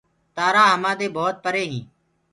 تآرآ همآدي بهوت پري هينٚ